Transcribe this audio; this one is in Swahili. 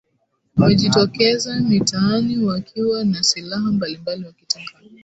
wamejitokeza mitaani wakiwa na silaha mbalimbali wakitaka